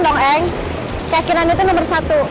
menang ya mana pol sembar